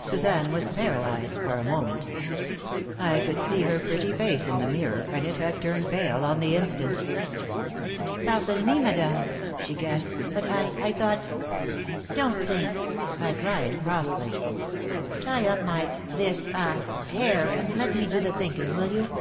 Suzanne was paralyzed for a moment. I could see her pretty face in the mirror, and it had turned pale on the instant. "Pardon me, madame," she gasped, "but I I thought " "Don't think!" I cried, crossly. "Tie up my this ah, hair, and let me do the thinking, will you?"